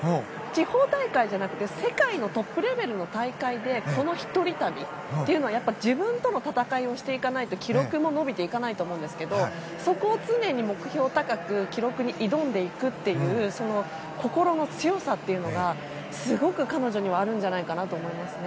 地方大会じゃなくて世界のトップレベルの大会で、この一人旅というのは自分との闘いをしていかないと記録も伸びていかないと思いますがそこを常に目標を高く記録に挑んでいくというその心の強さというのがすごく彼女にはあるんじゃないかなと思います。